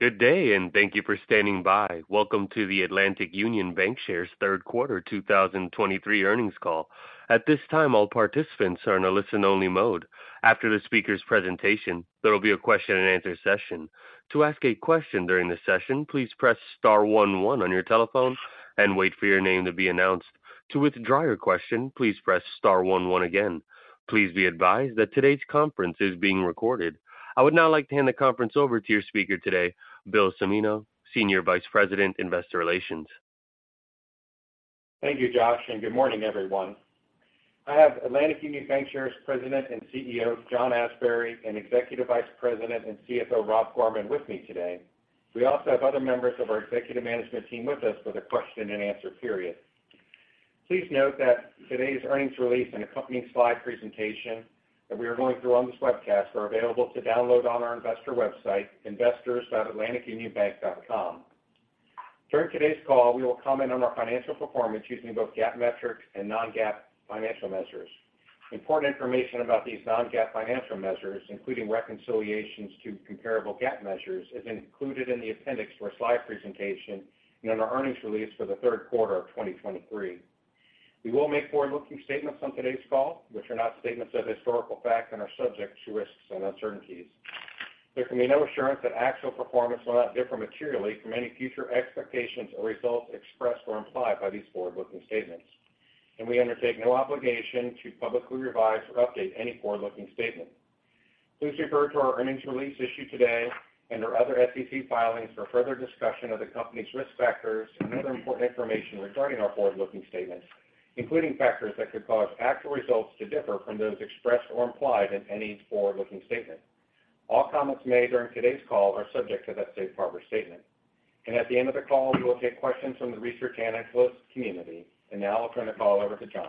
Good day, and thank you for standing by. Welcome to the Atlantic Union Bankshares' third quarter 2023 earnings call. At this time, all participants are in a listen-only mode. After the speaker's presentation, there will be a question-and-answer session. To ask a question during the session, please press star one one on your telephone and wait for your name to be announced. To withdraw your question, please press star one one again. Please be advised that today's conference is being recorded. I would now like to hand the conference over to your speaker today, Bill Cimino, Senior Vice President, Investor Relations. Thank you, Josh, and good morning, everyone. I have Atlantic Union Bankshares President and CEO, John Asbury, and Executive Vice President and CFO, Rob Gorman, with me today. We also have other members of our executive management team with us for the question-and-answer period. Please note that today's earnings release and accompanying slide presentation that we are going through on this webcast are available to download on our investor website, investors.atlanticunionbank.com. During today's call, we will comment on our financial performance using both GAAP metrics and non-GAAP financial measures. Important information about these non-GAAP financial measures, including reconciliations to comparable GAAP measures, is included in the appendix to our slide presentation and in our earnings release for the third quarter of 2023. We will make forward-looking statements on today's call, which are not statements of historical fact and are subject to risks and uncertainties. There can be no assurance that actual performance will not differ materially from any future expectations or results expressed or implied by these forward-looking statements, and we undertake no obligation to publicly revise or update any forward-looking statement. Please refer to our earnings release issued today and our other SEC filings for further discussion of the company's risk factors and other important information regarding our forward-looking statements, including factors that could cause actual results to differ from those expressed or implied in any forward-looking statement. All comments made during today's call are subject to that safe harbor statement. At the end of the call, we will take questions from the research analyst community. Now I'll turn the call over to John.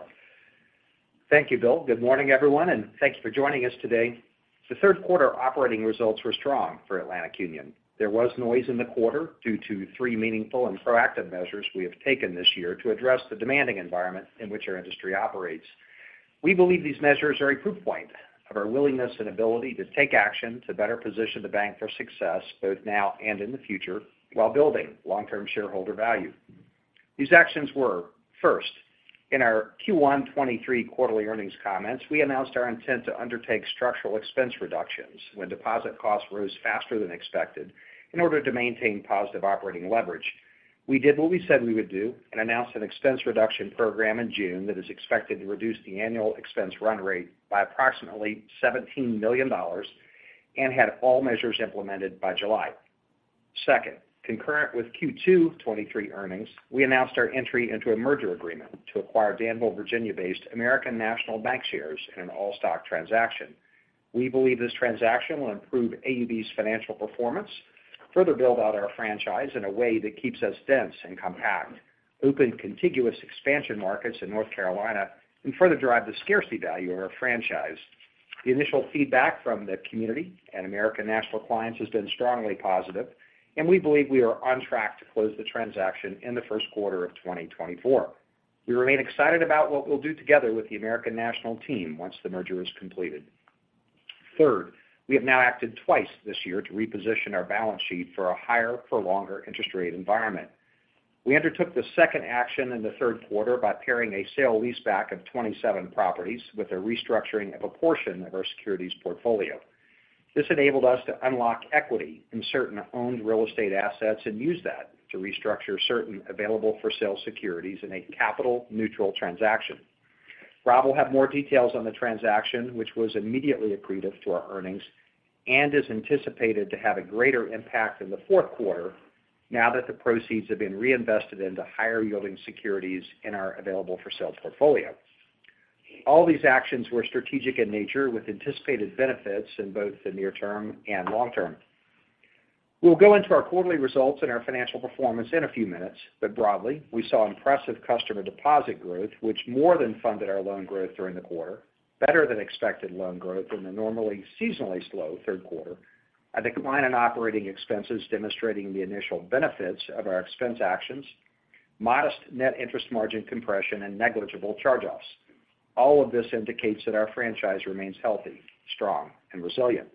Thank you, Bill. Good morning, everyone, and thank you for joining us today. The third quarter operating results were strong for Atlantic Union. There was noise in the quarter due to three meaningful and proactive measures we have taken this year to address the demanding environment in which our industry operates. We believe these measures are a proof point of our willingness and ability to take action to better position the bank for success, both now and in the future, while building long-term shareholder value. These actions were, first, in our Q1 2023 quarterly earnings comments, we announced our intent to undertake structural expense reductions when deposit costs rose faster than expected in order to maintain positive operating leverage. We did what we said we would do and announced an expense reduction program in June that is expected to reduce the annual expense run rate by approximately $17 million and had all measures implemented by July. Second, concurrent with Q2 2023 earnings, we announced our entry into a merger agreement to acquire Danville, Virginia-based American National Bankshares in an all-stock transaction. We believe this transaction will improve AUB's financial performance, further build out our franchise in a way that keeps us dense and compact, open contiguous expansion markets in North Carolina, and further drive the scarcity value of our franchise. The initial feedback from the community and American National clients has been strongly positive, and we believe we are on track to close the transaction in the first quarter of 2024. We remain excited about what we'll do together with the American National team once the merger is completed. Third, we have now acted twice this year to reposition our balance sheet for a higher, for longer interest rate environment. We undertook the second action in the third quarter by pairing a sale leaseback of 27 properties with a restructuring of a portion of our securities portfolio. This enabled us to unlock equity in certain owned real estate assets and use that to restructure certain available-for-sale securities in a capital-neutral transaction. Rob will have more details on the transaction, which was immediately accretive to our earnings and is anticipated to have a greater impact in the fourth quarter now that the proceeds have been reinvested into higher-yielding securities and our available-for-sale portfolio. All these actions were strategic in nature, with anticipated benefits in both the near term and long term. We'll go into our quarterly results and our financial performance in a few minutes, but broadly, we saw impressive customer deposit growth, which more than funded our loan growth during the quarter, better than expected loan growth in the normally seasonally slow third quarter, a decline in operating expenses demonstrating the initial benefits of our expense actions, modest net interest margin compression, and negligible charge-offs. All of this indicates that our franchise remains healthy, strong, and resilient.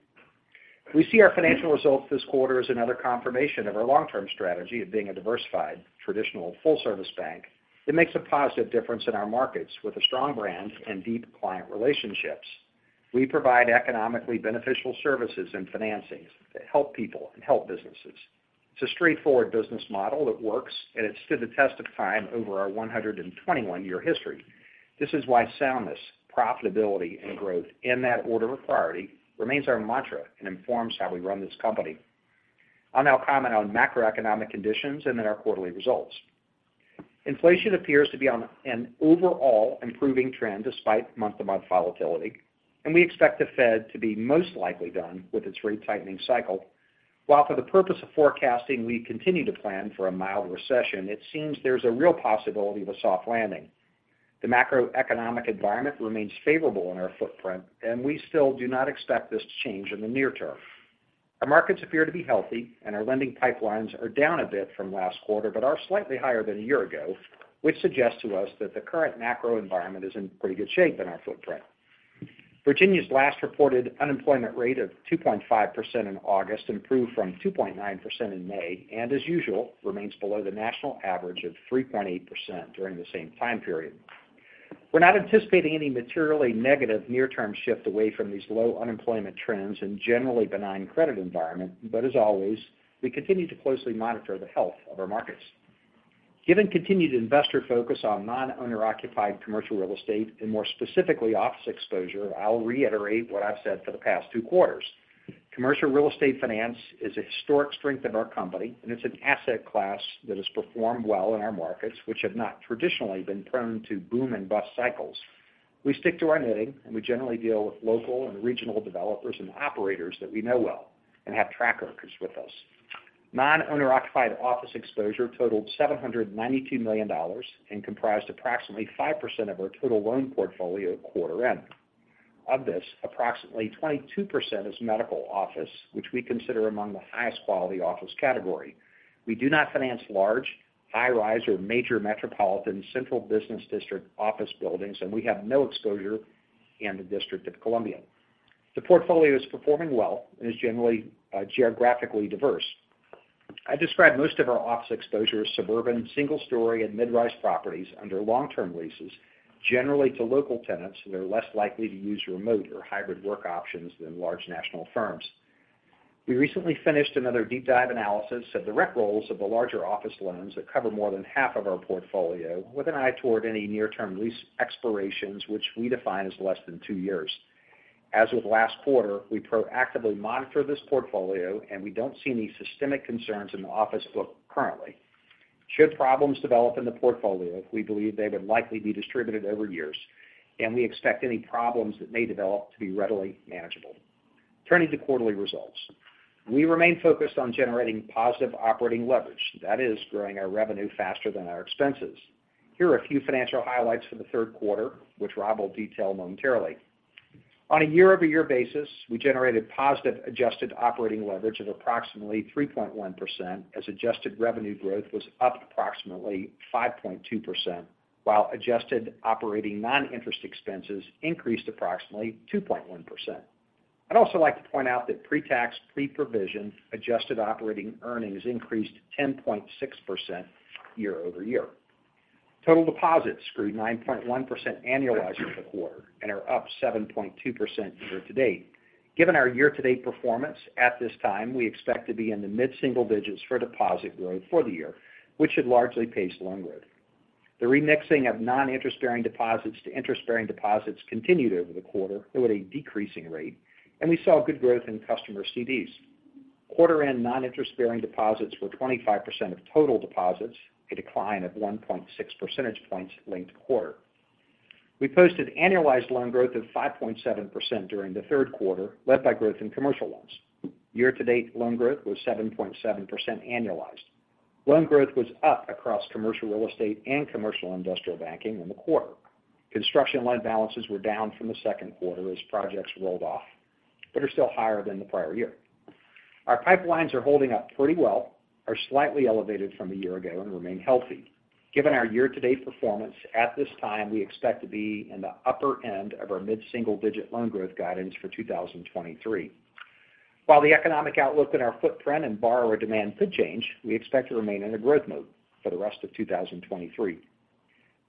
We see our financial results this quarter as another confirmation of our long-term strategy of being a diversified, traditional, full-service bank that makes a positive difference in our markets with a strong brand and deep client relationships. We provide economically beneficial services and financings that help people and help businesses. It's a straightforward business model that works, and it stood the test of time over our 121-year history. This is why soundness, profitability, and growth in that order of priority remains our mantra and informs how we run this company. I'll now comment on macroeconomic conditions and then our quarterly results. Inflation appears to be on an overall improving trend, despite month-to-month volatility, and we expect the Fed to be most likely done with its rate tightening cycle. While for the purpose of forecasting, we continue to plan for a mild recession, it seems there's a real possibility of a soft landing. The macroeconomic environment remains favorable in our footprint, and we still do not expect this to change in the near term. Our markets appear to be healthy and our lending pipelines are down a bit from last quarter, but are slightly higher than a year ago, which suggests to us that the current macro environment is in pretty good shape in our footprint. Virginia's last reported unemployment rate of 2.5% in August improved from 2.9% in May, and as usual, remains below the national average of 3.8% during the same time period. We're not anticipating any materially negative near-term shift away from these low unemployment trends and generally benign credit environment, but as always, we continue to closely monitor the health of our markets. Given continued investor focus on non-owner occupied commercial real estate, and more specifically, office exposure, I'll reiterate what I've said for the past two quarters. Commercial real estate finance is a historic strength of our company, and it's an asset class that has performed well in our markets, which have not traditionally been prone to boom and bust cycles. We stick to our knitting, and we generally deal with local and regional developers and operators that we know well and have track records with us. Non-owner occupied office exposure totaled $792 million and comprised approximately 5% of our total loan portfolio at quarter end. Of this, approximately 22% is medical office, which we consider among the highest quality office category. We do not finance large, high-rise or major metropolitan central business district office buildings, and we have no exposure in the District of Columbia. The portfolio is performing well and is generally, geographically diverse. I describe most of our office exposure as suburban, single story, and mid-rise properties under long-term leases, generally to local tenants who are less likely to use remote or hybrid work options than large national firms. We recently finished another deep dive analysis of the rec rolls of the larger office loans that cover more than half of our portfolio, with an eye toward any near-term lease expirations, which we define as less than two years. As with last quarter, we proactively monitor this portfolio, and we don't see any systemic concerns in the office book currently. Should problems develop in the portfolio, we believe they would likely be distributed over years, and we expect any problems that may develop to be readily manageable. Turning to quarterly results. We remain focused on generating positive operating leverage, that is, growing our revenue faster than our expenses. Here are a few financial highlights for the third quarter, which Rob will detail momentarily. On a year-over-year basis, we generated positive adjusted operating leverage of approximately 3.1%, as adjusted revenue growth was up approximately 5.2%, while adjusted operating non-interest expenses increased approximately 2.1%. I'd also like to point out that pre-tax, pre-provision adjusted operating earnings increased 10.6% year over year. Total deposits grew 9.1% annualized over the quarter and are up 7.2% year to date. Given our year-to-date performance, at this time, we expect to be in the mid-single digits for deposit growth for the year, which should largely pace loan growth. The remixing of non-interest-bearing deposits to interest-bearing deposits continued over the quarter, though at a decreasing rate, and we saw good growth in customer CDs. Quarter-end non-interest-bearing deposits were 25% of total deposits, a decline of 1.6 percentage points linked quarter. We posted annualized loan growth of 5.7% during the third quarter, led by growth in commercial loans. Year-to-date, loan growth was 7.7% annualized. Loan growth was up across commercial real estate and commercial industrial banking in the quarter. Construction loan balances were down from the second quarter as projects rolled off, but are still higher than the prior year. Our pipelines are holding up pretty well, are slightly elevated from a year ago, and remain healthy. Given our year-to-date performance, at this time, we expect to be in the upper end of our mid-single-digit loan growth guidance for 2023. While the economic outlook in our footprint and borrower demand could change, we expect to remain in a growth mode for the rest of 2023.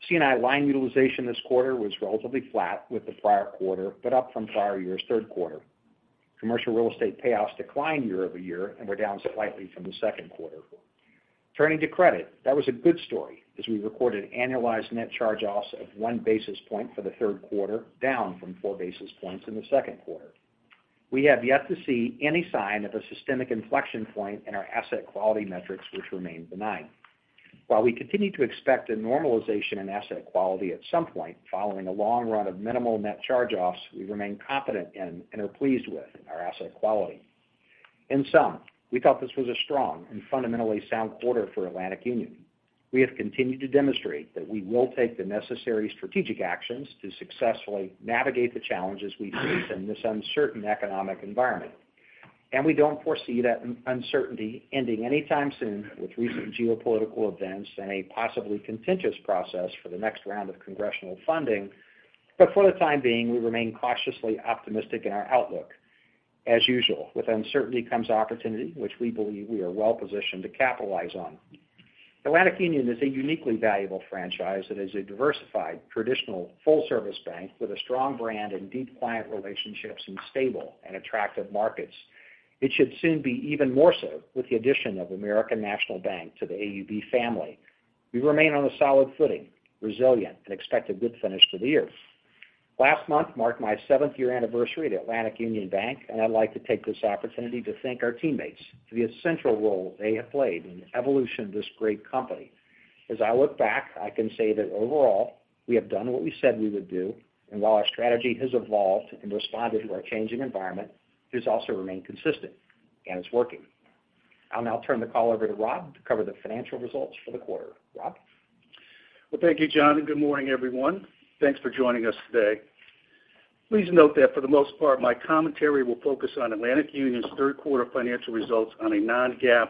C&I line utilization this quarter was relatively flat with the prior quarter, but up from prior year's third quarter. Commercial real estate payoffs declined year over year and were down slightly from the second quarter. Turning to credit, that was a good story, as we recorded annualized net charge-offs of 1 basis point for the third quarter, down from 4 basis points in the second quarter. We have yet to see any sign of a systemic inflection point in our asset quality metrics, which remain benign. While we continue to expect a normalization in asset quality at some point, following a long run of minimal net charge-offs, we remain confident in and are pleased with our asset quality. In sum, we thought this was a strong and fundamentally sound quarter for Atlantic Union. We have continued to demonstrate that we will take the necessary strategic actions to successfully navigate the challenges we face in this uncertain economic environment. We don't foresee that uncertainty ending anytime soon, with recent geopolitical events and a possibly contentious process for the next round of congressional funding. For the time being, we remain cautiously optimistic in our outlook. As usual, with uncertainty comes opportunity, which we believe we are well positioned to capitalize on. Atlantic Union is a uniquely valuable franchise that is a diversified, traditional, full-service bank with a strong brand and deep client relationships in stable and attractive markets. It should soon be even more so with the addition of American National Bank to the AUB family. We remain on a solid footing, resilient, and expect a good finish to the year. Last month marked my seventh-year anniversary at Atlantic Union Bank, and I'd like to take this opportunity to thank our teammates for the essential role they have played in the evolution of this great company. As I look back, I can say that overall, we have done what we said we would do, and while our strategy has evolved and responded to our changing environment, it has also remained consistent, and it's working. I'll now turn the call over to Rob to cover the financial results for the quarter. Rob? Well, thank you, John, and good morning, everyone. Thanks for joining us today. Please note that for the most part, my commentary will focus on Atlantic Union's third quarter financial results on a non-GAAP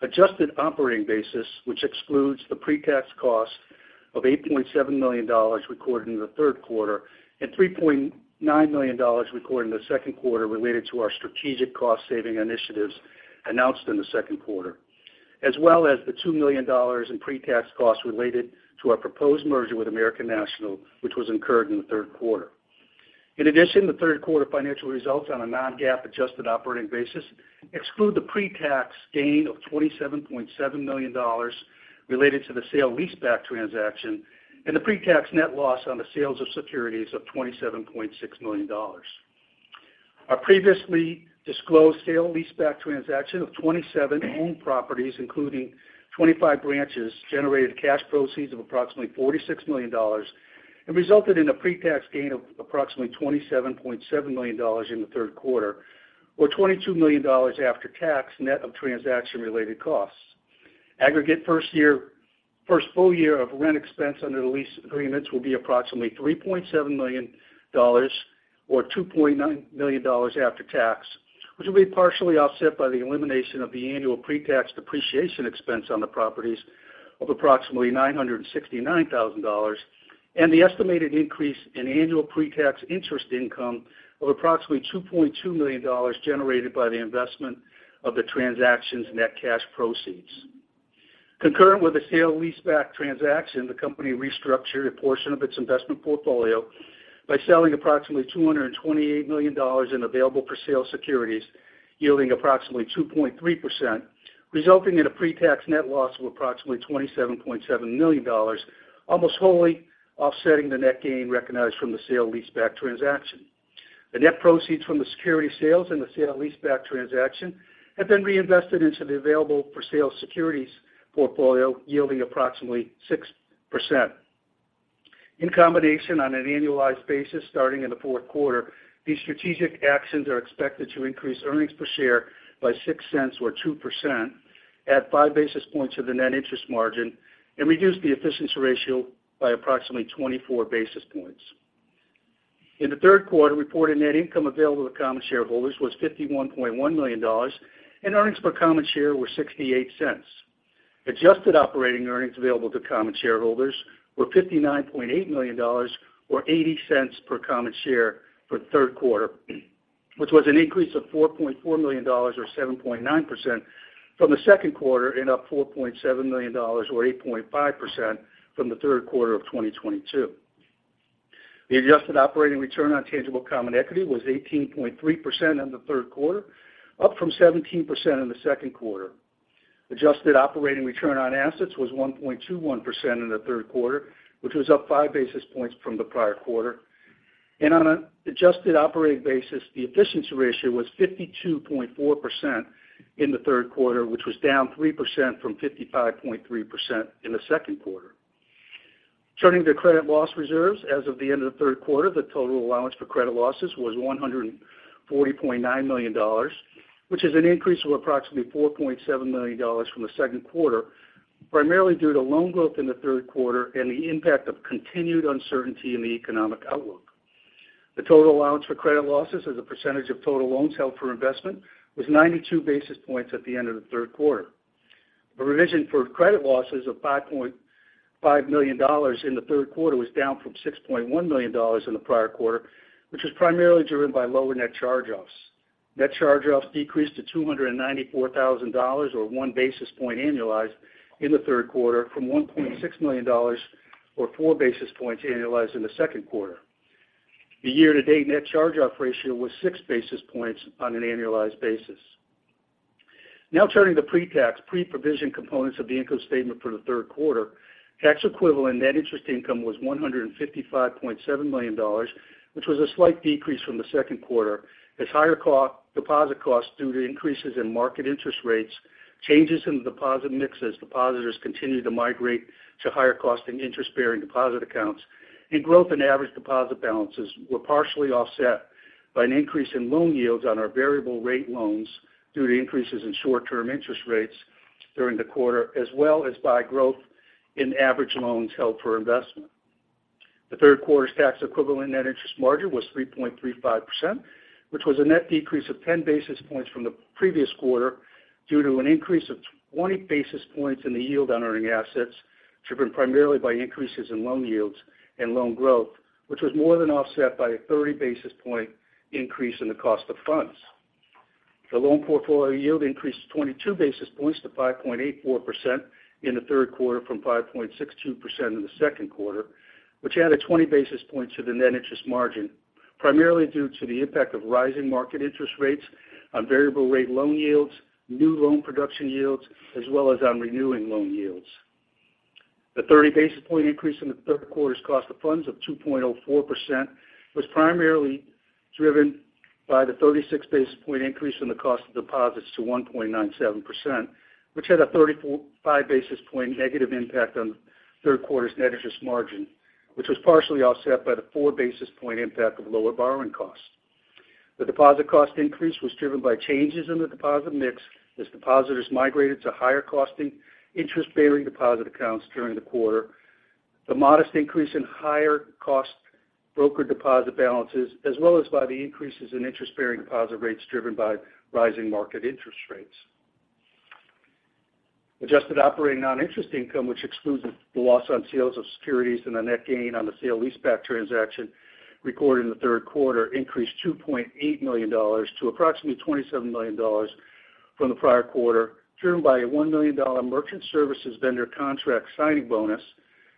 adjusted operating basis, which excludes the pre-tax costs of $8.7 million recorded in the third quarter and $3.9 million recorded in the second quarter related to our strategic cost-saving initiatives announced in the second quarter, as well as the $2 million in pre-tax costs related to our proposed merger with American National, which was incurred in the third quarter. In addition, the third quarter financial results on a non-GAAP adjusted operating basis exclude the pre-tax gain of $27.7 million related to the sale leaseback transaction and the pre-tax net loss on the sales of securities of $27.6 million. Our previously disclosed sale leaseback transaction of 27 owned properties, including 25 branches, generated cash proceeds of approximately $46 million and resulted in a pre-tax gain of approximately $27.7 million in the third quarter, or $22 million after tax, net of transaction-related costs. Aggregate first full year of rent expense under the lease agreements will be approximately $3.7 million or $2.9 million after tax, which will be partially offset by the elimination of the annual pre-tax depreciation expense on the properties of approximately $969,000, and the estimated increase in annual pre-tax interest income of approximately $2.2 million generated by the investment of the transaction's net cash proceeds. Concurrent with the sale-leaseback transaction, the company restructured a portion of its investment portfolio by selling approximately $228 million in available-for-sale securities, yielding approximately 2.3%, resulting in a pre-tax net loss of approximately $27.7 million, almost wholly offsetting the net gain recognized from the sale-leaseback transaction. The net proceeds from the security sales and the sale-leaseback transaction have been reinvested into the available-for-sale securities portfolio, yielding approximately 6%. In combination, on an annualized basis, starting in the fourth quarter, these strategic actions are expected to increase earnings per share by $0.06 or 2%, add 5 basis points to the net interest margin, and reduce the efficiency ratio by approximately 24 basis points. In the third quarter, reported net income available to common shareholders was $51.1 million, and earnings per common share were $0.68. Adjusted operating earnings available to common shareholders were $59.8 million or $0.80 per common share for the third quarter, which was an increase of $4.4 million or 7.9% from the second quarter and up $4.7 million or 8.5% from the third quarter of 2022. The adjusted operating return on tangible common equity was 18.3% in the third quarter, up from 17% in the second quarter. Adjusted operating return on assets was 1.21% in the third quarter, which was up five basis points from the prior quarter. On an adjusted operating basis, the efficiency ratio was 52.4% in the third quarter, which was down 3% from 55.3% in the second quarter. Turning to credit loss reserves, as of the end of the third quarter, the total allowance for credit losses was $140.9 million, which is an increase of approximately $4.7 million from the second quarter, primarily due to loan growth in the third quarter and the impact of continued uncertainty in the economic outlook. The total allowance for credit losses as a percentage of total loans held for investment was 92 basis points at the end of the third quarter. The provision for credit losses of $5.5 million in the third quarter was down from $6.1 million in the prior quarter, which was primarily driven by lower net charge-offs. Net charge-offs decreased to $294,000, or 1 basis point annualized in the third quarter from $1.6 million or 4 basis points annualized in the second quarter. The year-to-date net charge-off ratio was 6 basis points on an annualized basis. Now turning to pre-tax, pre-provision components of the income statement for the third quarter. Tax equivalent net interest income was $155.7 million, which was a slight decrease from the second quarter, as higher deposit costs due to increases in market interest rates, changes in the deposit mix as depositors continued to migrate to higher costing interest-bearing deposit accounts, and growth in average deposit balances were partially offset by an increase in loan yields on our variable rate loans due to increases in short-term interest rates during the quarter, as well as by growth in average loans held for investment. The third quarter's tax equivalent net interest margin was 3.35%, which was a net decrease of 10 basis points from the previous quarter due to an increase of 20 basis points in the yield on earning assets, driven primarily by increases in loan yields and loan growth, which was more than offset by a 30 basis point increase in the cost of funds. The loan portfolio yield increased 22 basis points to 5.84% in the third quarter from 5.62% in the second quarter, which added 20 basis points to the net interest margin, primarily due to the impact of rising market interest rates on variable rate loan yields, new loan production yields, as well as on renewing loan yields. The 30 basis point increase in the third quarter's cost of funds of 2.04% was primarily driven by the 36 basis point increase in the cost of deposits to 1.97%, which had a 35 basis point negative impact on third quarter's net interest margin, which was partially offset by the 4 basis point impact of lower borrowing costs. The deposit cost increase was driven by changes in the deposit mix as depositors migrated to higher costing interest-bearing deposit accounts during the quarter. The modest increase in higher cost broker deposit balances, as well as by the increases in interest-bearing deposit rates driven by rising market interest rates. Adjusted operating non-interest income, which excludes the loss on sales of securities and the net gain on the sale-leaseback transaction recorded in the third quarter, increased $2.8 million to approximately $27 million from the prior quarter, driven by a $1 million merchant services vendor contract signing bonus,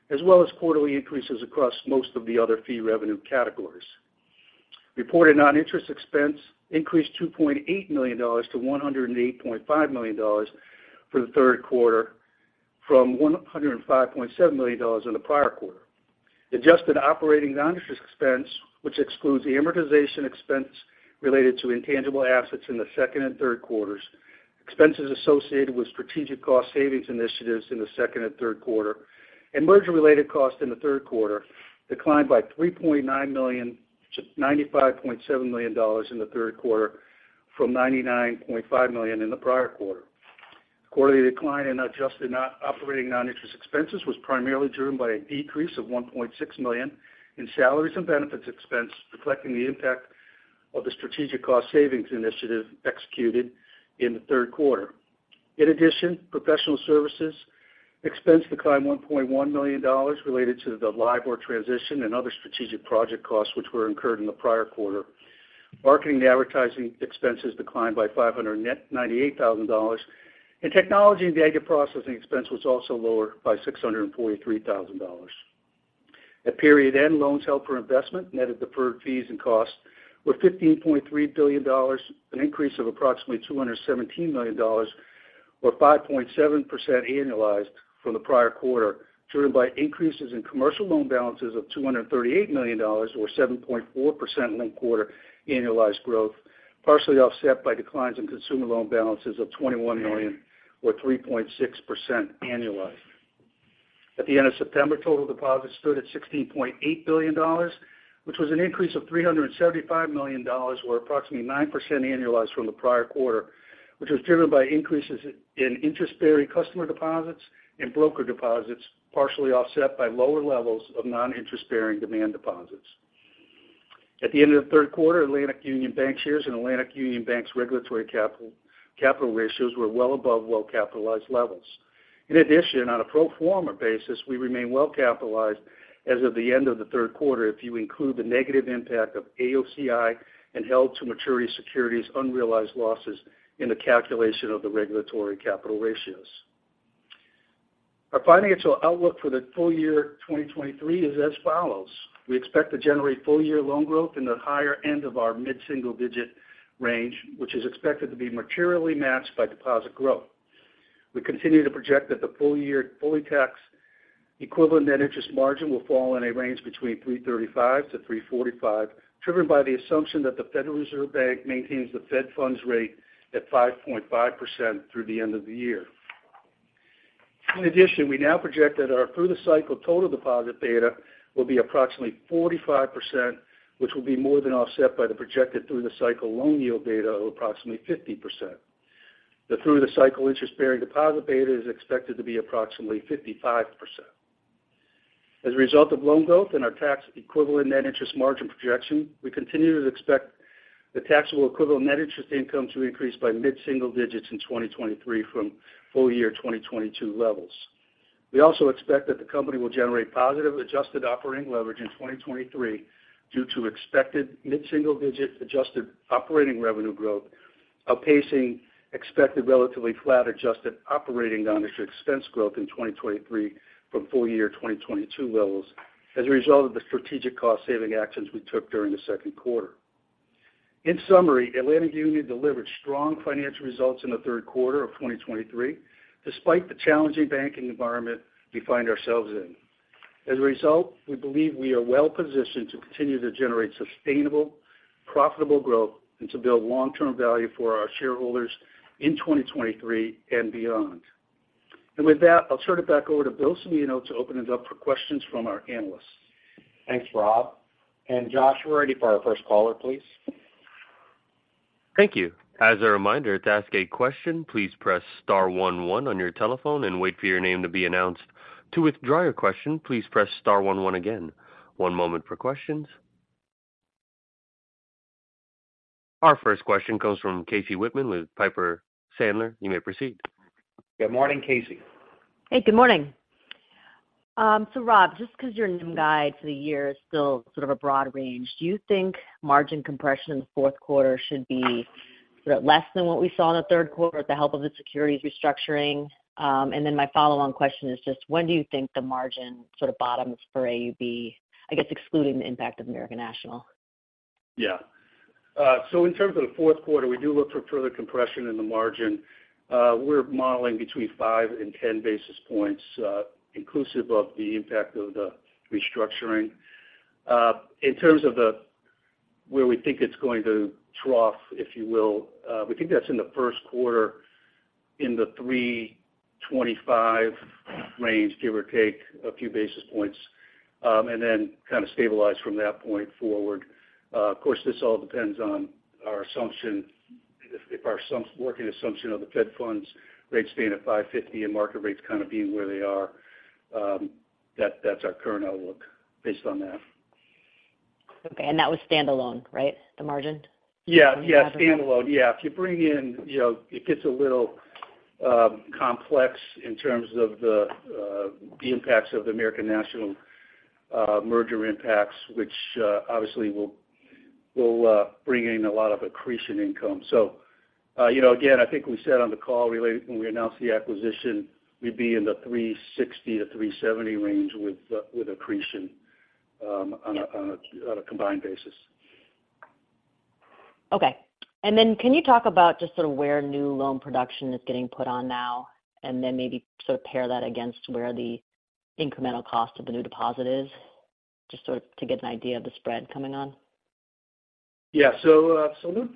as well as quarterly increases across most of the other fee revenue categories. Reported non-interest expense increased $2.8 million to $108.5 million for the third quarter from $105.7 million in the prior quarter. Adjusted operating non-interest expense, which excludes the amortization expense related to intangible assets in the second and third quarters, expenses associated with strategic cost savings initiatives in the second and third quarter, and merger-related costs in the third quarter declined by $3.9 million to $95.7 million in the third quarter from $99.5 million in the prior quarter. Quarterly decline in adjusted non-operating non-interest expenses was primarily driven by a decrease of $1.6 million in salaries and benefits expense, reflecting the impact of the strategic cost savings initiative executed in the third quarter. In addition, professional services expense declined $1.1 million related to the LIBOR transition and other strategic project costs, which were incurred in the prior quarter. Marketing and advertising expenses declined by $598,000, and technology and data processing expense was also lower by $643,000. At period end, loans held for investment, netted deferred fees and costs were $15.3 billion, an increase of approximately $217 million or 5.7% annualized from the prior quarter, driven by increases in commercial loan balances of $238 million, or 7.4% linked quarter annualized growth, partially offset by declines in consumer loan balances of $21 million or 3.6% annualized. At the end of September, total deposits stood at $16.8 billion, which was an increase of $375 million or approximately 9% annualized from the prior quarter, which was driven by increases in interest-bearing customer deposits and broker deposits, partially offset by lower levels of non-interest-bearing demand deposits. At the end of the third quarter, Atlantic Union Bankshares and Atlantic Union Bank's regulatory capital ratios were well above well-capitalized levels. In addition, on a pro forma basis, we remain well capitalized as of the end of the third quarter, if you include the negative impact of AOCI and held-to-maturity securities unrealized losses in the calculation of the regulatory capital ratios. Our financial outlook for the full year 2023 is as follows: We expect to generate full-year loan growth in the higher end of our mid-single digit range, which is expected to be materially matched by deposit growth. We continue to project that the full year fully tax equivalent net interest margin will fall in a range between 3.35%-3.45%, driven by the assumption that the Federal Reserve Bank maintains the Fed funds rate at 5.5% through the end of the year. In addition, we now project that our through-the-cycle total deposit beta will be approximately 45%, which will be more than offset by the projected through-the-cycle loan yield beta of approximately 50%. The through-the-cycle interest-bearing deposit beta is expected to be approximately 55%. As a result of loan growth and our tax equivalent net interest margin projection, we continue to expect the taxable equivalent net interest income to increase by mid-single digits in 2023 from full-year 2022 levels. We also expect that the company will generate positive adjusted operating leverage in 2023 due to expected mid-single digit adjusted operating revenue growth, outpacing expected relatively flat adjusted operating non-interest expense growth in 2023 from full-year 2022 levels as a result of the strategic cost-saving actions we took during the second quarter. In summary, Atlantic Union delivered strong financial results in the third quarter of 2023, despite the challenging banking environment we find ourselves in. As a result, we believe we are well positioned to continue to generate sustainable, profitable growth and to build long-term value for our shareholders in 2023 and beyond. With that, I'll turn it back over to Bill Cimino to open it up for questions from our analysts. Thanks, Rob. And Josh, we're ready for our first caller, please. Thank you. As a reminder, to ask a question, please press star one one on your telephone and wait for your name to be announced. To withdraw your question, please press star one one again. One moment for questions. Our first question comes from Casey Whitman with Piper Sandler. You may proceed. Good morning, Casey. Hey, good morning. So Rob, just because your NIM guide for the year is still sort of a broad range, do you think margin compression in the fourth quarter should be sort of less than what we saw in the third quarter with the help of the securities restructuring? And then my follow-on question is just when do you think the margin sort of bottoms for AUB, I guess, excluding the impact of American National? Yeah. So in terms of the fourth quarter, we do look for further compression in the margin. We're modeling between 5 and 10 basis points, inclusive of the impact of the restructuring. In terms of where we think it's going to trough, if you will, we think that's in the first quarter in the 3.25 range, give or take a few basis points, and then kind of stabilize from that point forward. Of course, this all depends on our assumption. If our working assumption of the Fed funds rates staying at 5.50 and market rates kind of being where they are, that's our current outlook based on that. Okay, and that was standalone, right? The margin? Yeah, yeah, standalone. Yeah, if you bring in, you know, it gets a little complex in terms of the impacts of the American National merger impacts, which obviously will bring in a lot of accretion income. So, you know, again, I think we said on the call related—when we announced the acquisition, we'd be in the $3.60-$3.70 range with accretion on a combined basis. Okay. And then can you talk about just sort of where new loan production is getting put on now, and then maybe sort of pair that against where the incremental cost of the new deposit is, just sort of to get an idea of the spread coming on? Yeah. So, new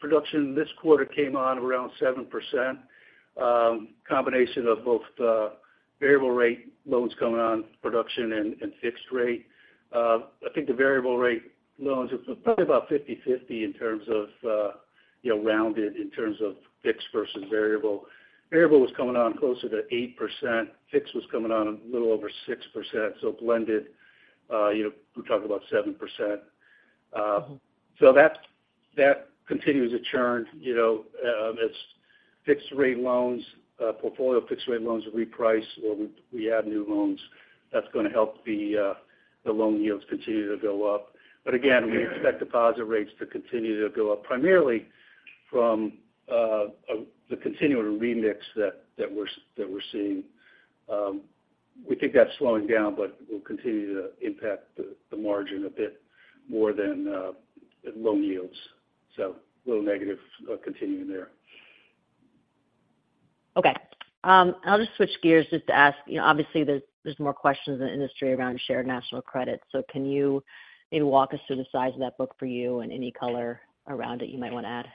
production this quarter came on around 7%. Combination of both, variable rate loans coming on production and fixed rate. I think the variable rate loans are probably about 50/50 in terms of, you know, rounded in terms of fixed versus variable. Variable was coming on closer to 8%. Fixed was coming on a little over 6%. So blended, you know, we're talking about 7%. So that continues to churn, you know, as fixed rate loans portfolio of fixed rate loans reprice or we add new loans, that's going to help the loan yields continue to go up. But again, we expect deposit rates to continue to go up, primarily from the continuing remix that we're seeing. We think that's slowing down, but will continue to impact the, the margin a bit more than loan yields. So a little negative, continuing there. Okay. I'll just switch gears just to ask, you know, obviously, there's more questions in the industry around Shared National Credit. So can you maybe walk us through the size of that book for you and any color around it you might want to add?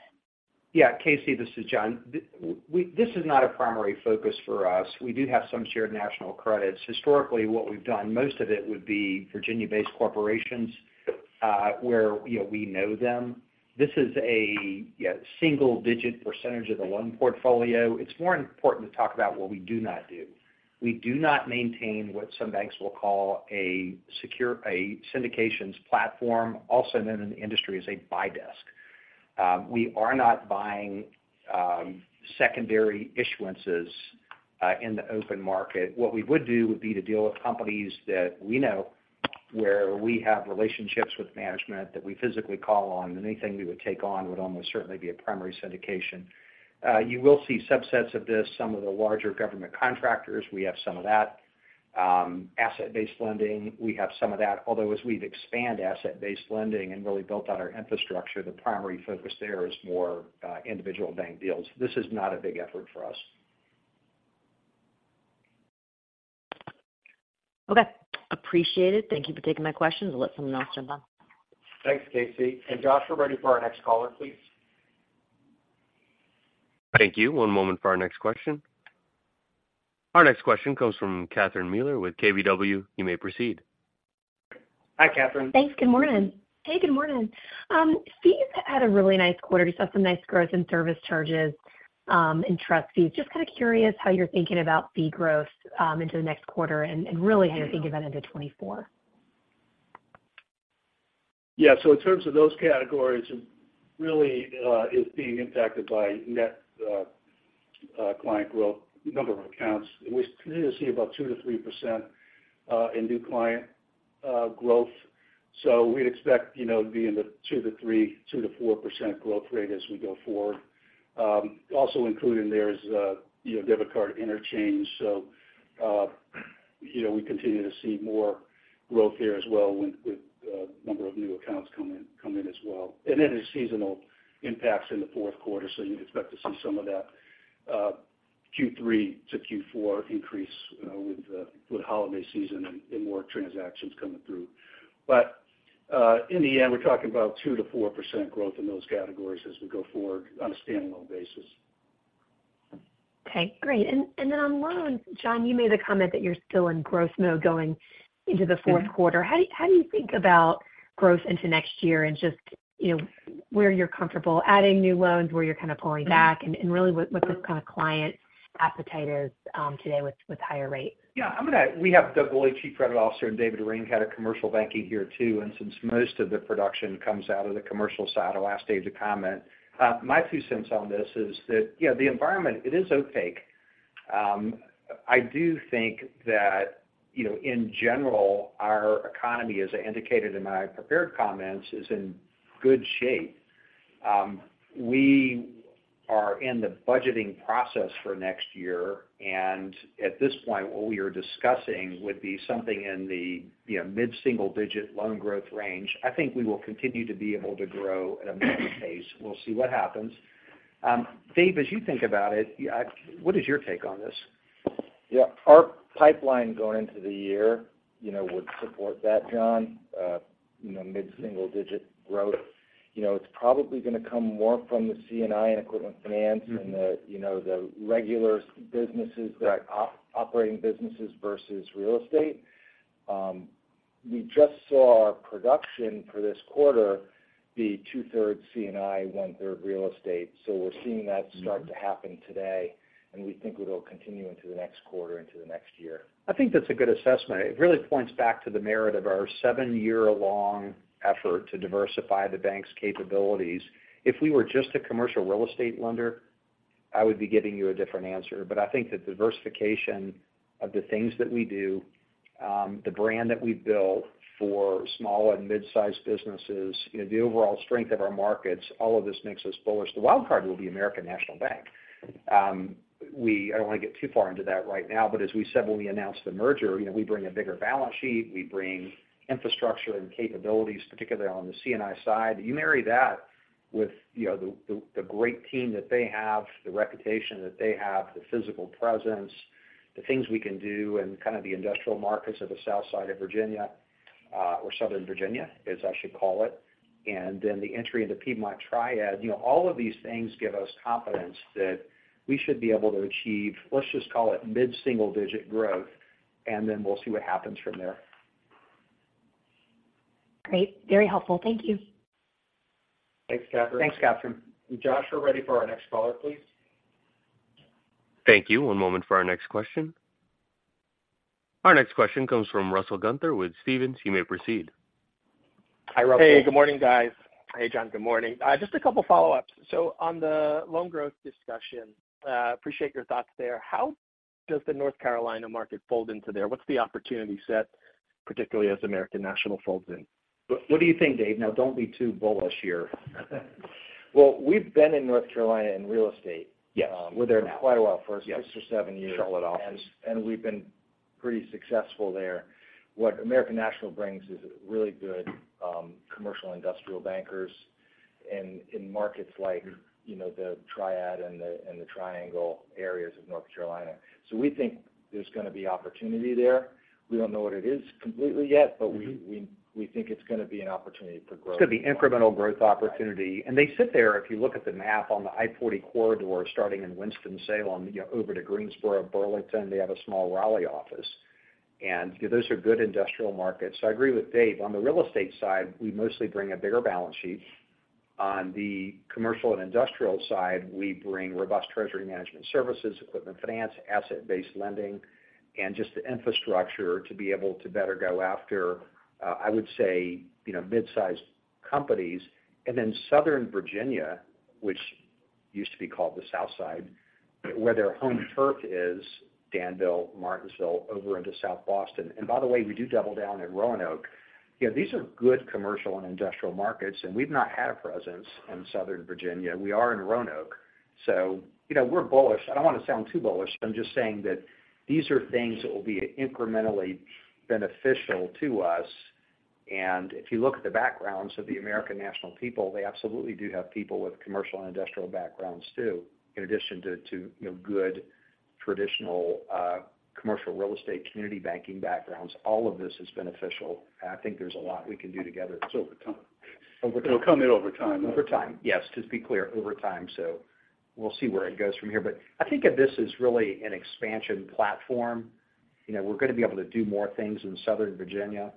Yeah, Casey, this is John. This is not a primary focus for us. We do have some shared national credits. Historically, what we've done, most of it would be Virginia-based corporations, where, you know, we know them. This is a, yeah, single-digit percentage of the loan portfolio. It's more important to talk about what we do not do. We do not maintain what some banks will call a syndications platform, also known in the industry as a buy desk. We are not buying secondary issuances in the open market. What we would do would be to deal with companies that we know, where we have relationships with management that we physically call on, and anything we would take on would almost certainly be a primary syndication. You will see subsets of this, some of the larger government contractors, we have some of that. Asset-based lending, we have some of that. Although, as we've expanded asset-based lending and really built out our infrastructure, the primary focus there is more individual bank deals. This is not a big effort for us. Okay. Appreciate it. Thank you for taking my questions. I'll let someone else jump on. Thanks, Casey, and Josh, we're ready for our next caller, please. Thank you. One moment for our next question. Our next question comes from Catherine Mealor with KBW. You may proceed. Hi, Catherine. Thanks. Good morning. Hey, good morning. Fees had a really nice quarter. You saw some nice growth in service charges, and trust fees. Just kind of curious how you're thinking about fee growth into the next quarter and, and really how you think about into 2024. Yeah. So in terms of those categories, really, is being impacted by net client growth, number of accounts. We continue to see about 2%-3% in new client growth. So we'd expect, you know, to be in the 2%-3%, 2%-4% growth rate as we go forward. Also included in there is, you know, debit card interchange. So, you know, we continue to see more growth here as well with, with, number of new accounts come in as well. And then there's seasonal impacts in the fourth quarter, so you'd expect to see some of that, Q3 to Q4 increase, with, with holiday season and more transactions coming through. In the end, we're talking about 2%-4% growth in those categories as we go forward on a standalone basis. Okay, great. And then on loans, John, you made the comment that you're still in growth mode going into the fourth quarter. How do you think about growth into next year and just, you know, where you're comfortable adding new loans, where you're kind of pulling back, and really what this kind of client appetite is today with higher rates? Yeah, I'm gonna—we have Doug, our chief credit officer, and David Ring, head of commercial banking here, too. And since most of the production comes out of the commercial side, I'll ask Dave to comment. My two cents on this is that, you know, the environment, it is opaque. I do think that, you know, in general, our economy, as I indicated in my prepared comments, is in good shape. We are in the budgeting process for next year, and at this point, what we are discussing would be something in the, you know, mid-single digit loan growth range. I think we will continue to be able to grow at a moderate pace. We'll see what happens. Dave, as you think about it, what is your take on this? Yeah. Our pipeline going into the year, you know, would support that, John, you know, mid-single digit growth. You know, it's probably going to come more from the C&I and equipment finance and the, you know, the regular businesses, the operating businesses versus real estate. We just saw our production for this quarter be two-thirds C&I, one-third real estate. So we're seeing that start to happen today, and we think it'll continue into the next quarter, into the next year. I think that's a good assessment. It really points back to the merit of our seven-year-long effort to diversify the bank's capabilities. If we were just a commercial real estate lender, I would be giving you a different answer. But I think the diversification of the things that we do, the brand that we've built for small and mid-sized businesses, you know, the overall strength of our markets, all of this makes us bullish. The wild card will be American National Bank. I don't want to get too far into that right now, but as we said when we announced the merger, you know, we bring a bigger balance sheet, we bring infrastructure and capabilities, particularly on the C&I side. You marry that with, you know, the great team that they have, the reputation that they have, the physical presence, the things we can do in kind of the industrial markets of the Southside of Virginia, or Southern Virginia, as I should call it, and then the entry into Piedmont Triad. You know, all of these things give us confidence that we should be able to achieve, let's just call it mid-single digit growth, and then we'll see what happens from there. Great. Very helpful. Thank you. Thanks, Catherine. Thanks, Catherine. Josh, we're ready for our next caller, please. Thank you. One moment for our next question. Our next question comes from Russell Gunther with Stephens. You may proceed. Hi, Russell. Hey, good morning, guys. Hey, John, good morning. Just a couple follow-ups. So on the loan growth discussion, appreciate your thoughts there. How does the North Carolina market fold into there? What's the opportunity set, particularly as American National folds in? What, what do you think, Dave? Now, don't be too bullish here. Well, we've been in North Carolina in real estate- Yes. We're there now. Quite a while, for six or seven years. Charlotte office. And we've been pretty successful there. What American National brings is really good commercial industrial bankers in markets like, you know, the Triad and the Triangle areas of North Carolina. So we think there's going to be opportunity there. We don't know what it is completely yet-but we think it's going to be an opportunity for growth. It's going to be incremental growth opportunity and they sit there, if you look at the map on the I-40 corridor, starting in Winston-Salem, you know, over to Greensboro, Burlington, they have a small Raleigh office, and those are good industrial markets. So I agree with Dave. On the real estate side, we mostly bring a bigger balance sheet. On the commercial and industrial side, we bring robust treasury management services, equipment finance, asset-based lending, and just the infrastructure to be able to better go after, I would say, you know, mid-sized companies. And then Southern Virginia, which used to be called the Southside, where their home turf is, Danville, Martinsville, over into South Boston. And by the way, we do double down in Roanoke. You know, these are good commercial and industrial markets, and we've not had a presence in Southern Virginia. We are in Roanoke, so you know, we're bullish. I don't want to sound too bullish, but I'm just saying that these are things that will be incrementally beneficial to us. And if you look at the backgrounds of the American National people, they absolutely do have people with commercial and industrial backgrounds, too, in addition to, you know, good traditional, commercial real estate, community banking backgrounds. All of this is beneficial, and I think there's a lot we can do together. It's over time. Over time. It'll come in over time. Over time. Yes, just to be clear, over time. We'll see where it goes from here. I think of this as really an expansion platform. You know, we're going to be able to do more things in Southern Virginia,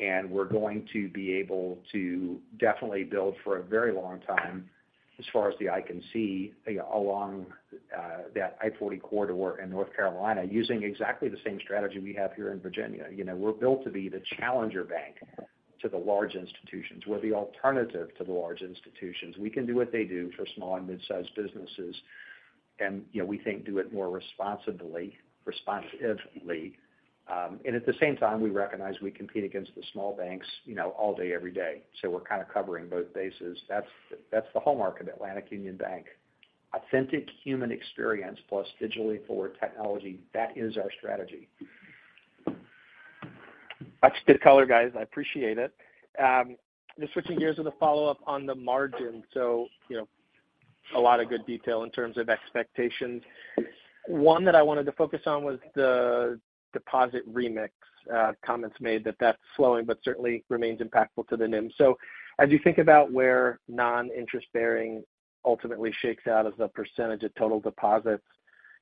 and we're going to be able to definitely build for a very long time, as far as the eye can see, along that I-40 corridor in North Carolina, using exactly the same strategy we have here in Virginia. You know, we're built to be the challenger bank to the large institutions. We're the alternative to the large institutions. We can do what they do for small and mid-sized businesses, and, you know, we think do it more responsibly, responsively. And at the same time, we recognize we compete against the small banks, you know, all day, every day. We're kind of covering both bases. That's, that's the hallmark of Atlantic Union Bank. Authentic human experience plus digitally forward technology, that is our strategy. That's good color, guys. I appreciate it. Just switching gears with a follow-up on the margin. So, you know, a lot of good detail in terms of expectations. One that I wanted to focus on was the deposit remix, comments made that that's slowing, but certainly remains impactful to the NIM. So as you think about where non-interest bearing ultimately shakes out as a percentage of total deposits,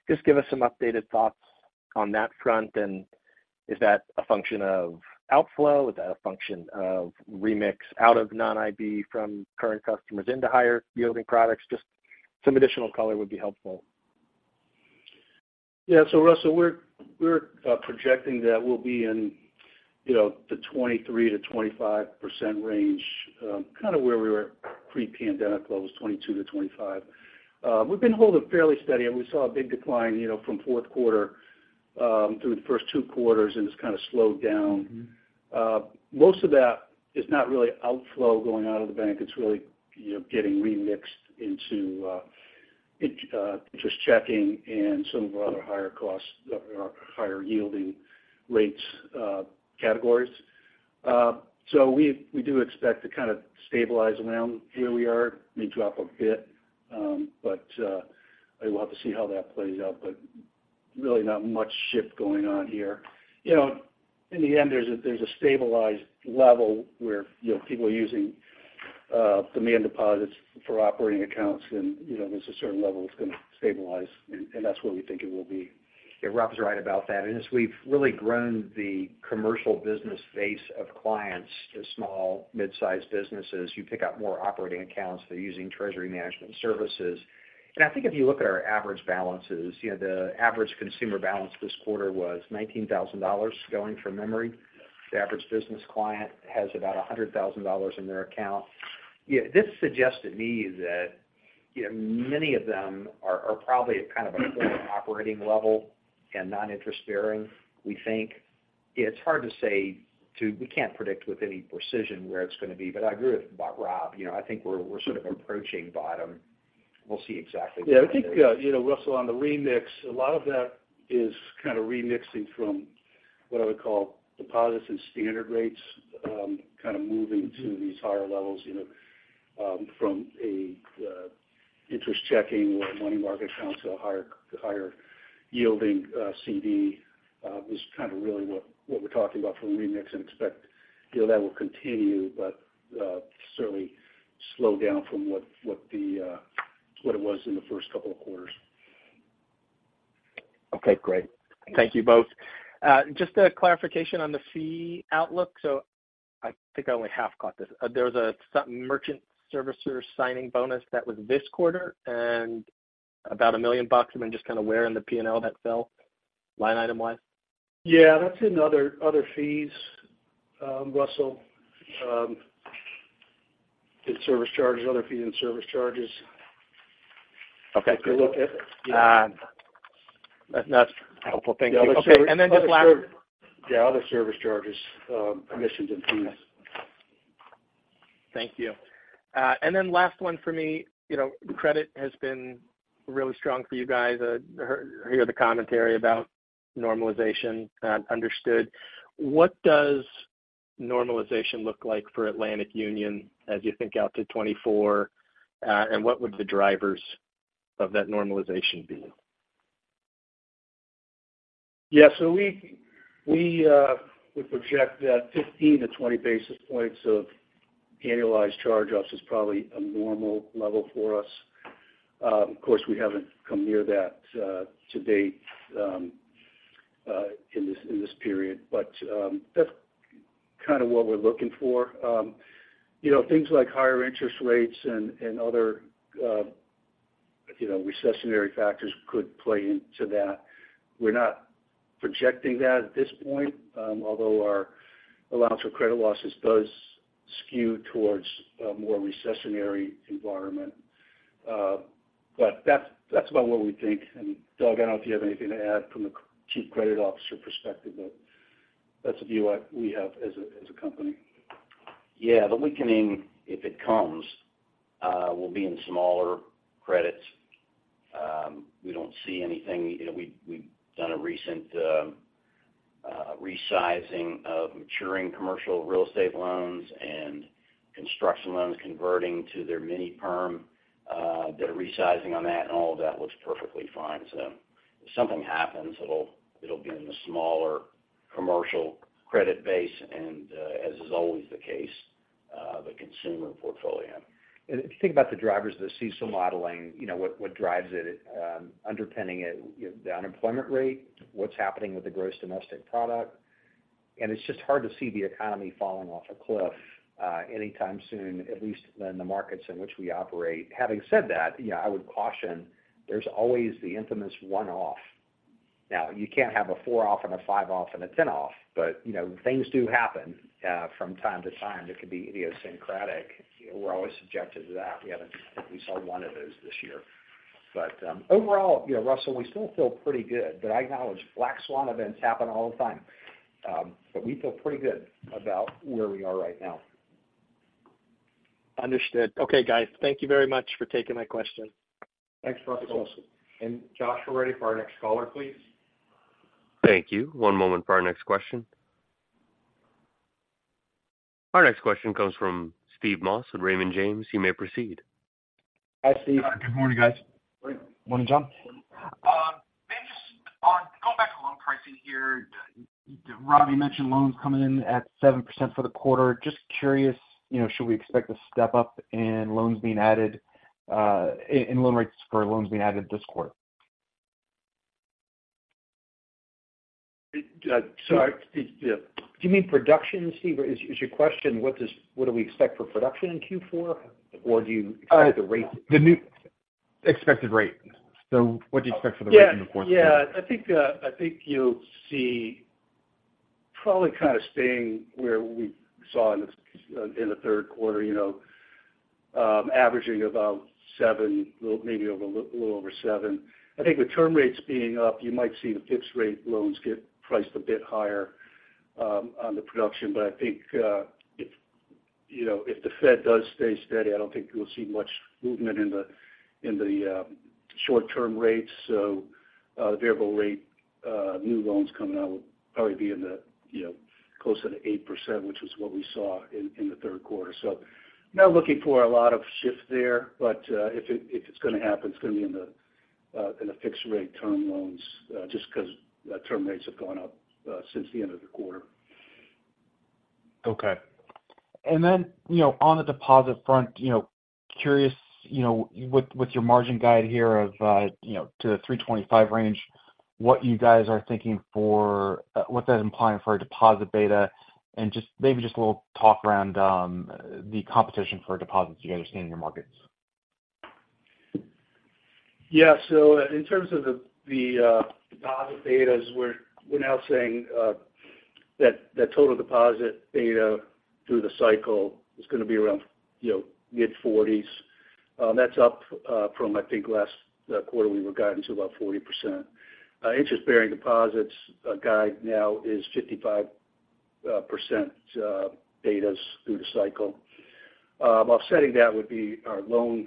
just give us some updated thoughts on that front, and is that a function of outflow? Is that a function of remix out of non-IB from current customers into higher-yielding products? Just some additional color would be helpful. Yeah. So Russell, we're projecting that we'll be in, you know, the 23%-25% range, kind of where we were pre-pandemic levels, 22%-25%. We've been holding fairly steady, and we saw a big decline, you know, from fourth quarter through the first two quarters, and it's kind of slowed down. Mm-hmm. Most of that is not really outflow going out of the bank. It's really, you know, getting remixed into interest checking and some of our other higher costs, or higher yielding rates, categories. So we do expect to kind of stabilize around where we are, may drop a bit, but we'll have to see how that plays out. Really not much shift going on here. You know, in the end, there's a stabilized level where, you know, people are using demand deposits for operating accounts, and, you know, there's a certain level it's going to stabilize, and that's where we think it will be. Yeah, Rob is right about that. And as we've really grown the commercial business base of clients to small, mid-sized businesses, you pick up more operating accounts. They're using treasury management services. And I think if you look at our average balances, you know, the average consumer balance this quarter was $19,000, going from memory. The average business client has about $100,000 in their account. Yeah, this suggests to me that, you know, many of them are, are probably at kind of a full operating level and non-interest-bearing, we think. It's hard to say we can't predict with any precision where it's going to be, but I agree with Rob about. You know, I think we're, we're sort of approaching bottom. We'll see exactly- Yeah, I think, you know, Russell, on the remix, a lot of that is kind of remixing from what I would call deposits and standard rates, kind of moving to these higher levels, you know, from a interest checking or money market account to a higher, higher yielding CD, is kind of really what we're talking about from a remix and expect, you know, that will continue, but certainly slow down from what the what it was in the first couple of quarters. Okay, great. Thank you both. Just a clarification on the fee outlook. So I think I only half caught this. There was a merchant servicer signing bonus that was this quarter and about $1 million. And then just kind of where in the P&L that fell, line item wise? Yeah, that's in other, other fees, Russell. It's service charges, other fees and service charges. Okay. If you look at, yeah. That's, that's helpful. Thank you. Other service. Okay, and then just last. Yeah, other service charges, commissions and fees. Thank you. And then last one for me. You know, credit has been really strong for you guys. I hear, hear the commentary about normalization, understood. What does normalization look like for Atlantic Union as you think out to 2024? And what would the drivers of that normalization be? Yeah, so we would project that 15-20 basis points of annualized charge-offs is probably a normal level for us. Of course, we haven't come near that to date in this period. But that's kind of what we're looking for. You know, things like higher interest rates and other recessionary factors could play into that. We're not projecting that at this point, although our allowance for credit losses does skew towards a more recessionary environment. But that's about what we think. And Doug, I don't know if you have anything to add from a Chief Credit Officer perspective, but that's the view we have as a company. Yeah, the weakening, if it comes, will be in smaller credits. We don't see anything. You know, we've done a recent resizing of maturing commercial real estate loans and construction loans converting to their mini perm that are resizing on that, and all of that looks perfectly fine. So if something happens, it'll be in the smaller commercial credit base, and as is always the case, the consumer portfolio. If you think about the drivers of the CECL modeling, you know, what drives it, underpinning it, the unemployment rate, what's happening with the gross domestic product, and it's just hard to see the economy falling off a cliff anytime soon, at least in the markets in which we operate. Having said that, yeah, I would caution there's always the infamous one-off. Now, you can't have a four-off and a five-off and a ten-off, but, you know, things do happen from time to time. It could be idiosyncratic. We're always subjected to that. We haven't, I think we saw one of those this year. But overall, you know, Russell, we still feel pretty good, but I acknowledge black swan events happen all the time. But we feel pretty good about where we are right now. Understood. Okay, guys, thank you very much for taking my questions. Thanks, Russell. Thanks, Russell. Josh, we're ready for our next caller, please. Thank you. One moment for our next question. Our next question comes from Steve Moss with Raymond James. You may proceed. Hi, Steve. Good morning, guys. Morning, John. Maybe just on going back to loan pricing here, Rob, you mentioned loans coming in at 7% for the quarter. Just curious, you know, should we expect a step up in loans being added, in loan rates for loans being added this quarter? Do you mean production, Steve? Is your question, what do we expect for production in Q4? Or do you, the rate? The new expected rate. So what do you expect for the rate in the quarter? Yeah. Yeah, I think, I think you'll see probably kind of staying where we saw in the, in the third quarter, you know, averaging about 7, maybe a little over 7. I think with term rates being up, you might see the fixed rate loans get priced a bit higher, on the production. But I think, if, you know, if the Fed does stay steady, I don't think you'll see much movement in the, in the, short-term rates. So, variable rate, new loans coming out will probably be in the, you know, closer to 8%, which is what we saw in, in the third quarter. So not looking for a lot of shift there, but if it's going to happen, it's going to be in the fixed rate term loans, just because term rates have gone up since the end of the quarter. Okay. And then, you know, on the deposit front, you know, curious, you know, with, with your margin guide here of, you know, to the 3.25 range, what you guys are thinking for, what's that implying for our deposit beta? And just maybe just a little talk around, the competition for deposits you guys are seeing in your markets. Yeah. So in terms of deposit betas, we're now saying that the total deposit beta through the cycle is gonna be around, you know, mid-40s%. That's up from, I think, last quarter we were guiding to about 40%. Interest-bearing deposits guide now is 55% betas through the cycle. Offsetting that would be our loan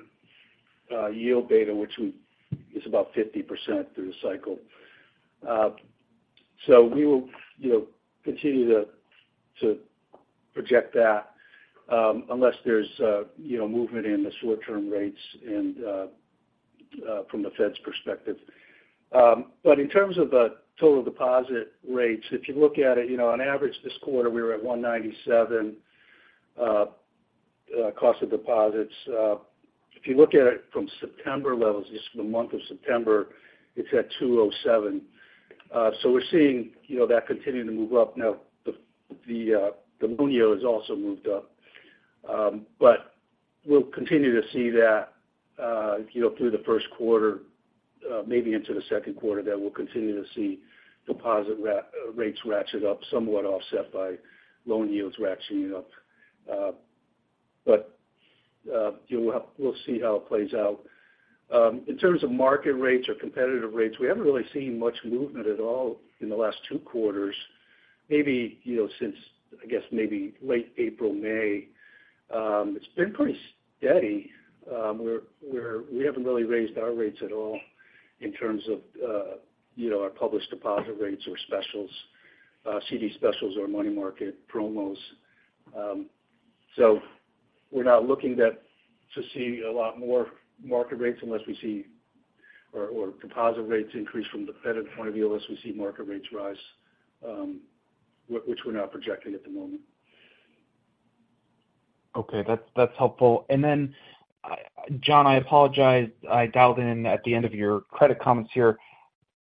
yield beta, which is about 50% through the cycle. So we will, you know, continue to project that unless there's, you know, movement in the short-term rates and from the Fed's perspective. But in terms of the total deposit rates, if you look at it, you know, on average, this quarter, we were at 1.97% cost of deposits. If you look at it from September levels, just the month of September, it's at 207. So we're seeing, you know, that continuing to move up now. The loan yield has also moved up. But we'll continue to see that, you know, through the first quarter, maybe into the second quarter, that we'll continue to see deposit rates ratchet up, somewhat offset by loan yields ratcheting up. But we'll see how it plays out. In terms of market rates or competitive rates, we haven't really seen much movement at all in the last two quarters. Maybe, you know, since, I guess, maybe late April, May, it's been pretty steady. We haven't really raised our rates at all in terms of, you know, our published deposit rates or specials, CD specials or money market promos. So we're not looking to see a lot more market rates unless we see deposit rates increase from the Fed point of view, unless we see market rates rise, which we're not projecting at the moment. Okay, that's, that's helpful. And then, John, I apologize. I dialed in at the end of your credit comments here,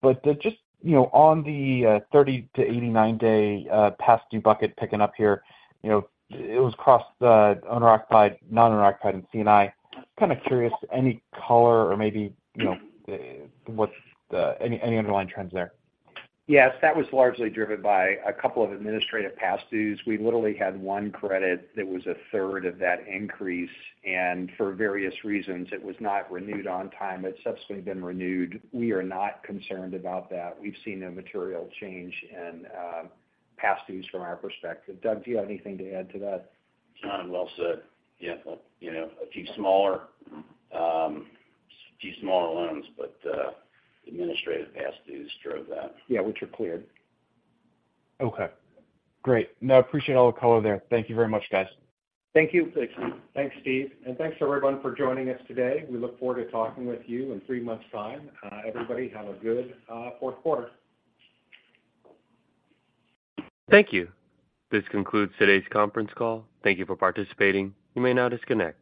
but just, you know, on the 30- to 89-day past due bucket picking up here, you know, it was across the owner-occupied, non-owner-occupied, and C&I. Kind of curious, any color or maybe, you know, what's the any, any underlying trends there? Yes, that was largely driven by a couple of administrative past dues. We literally had one credit that was a third of that increase, and for various reasons, it was not renewed on time. It's subsequently been renewed. We are not concerned about that. We've seen no material change in, past dues from our perspective. Doug, do you have anything to add to that? John, well said. Yeah, you know, a few smaller, few smaller loans, but, administrative past dues drove that. Yeah, which are cleared. Okay, great. No, I appreciate all the color there. Thank you very much, guys. Thank you. Thanks, Steve. Thanks, everyone, for joining us today. We look forward to talking with you in three months' time. Everybody, have a good fourth quarter. Thank you. This concludes today's conference call. Thank you for participating. You may now disconnect.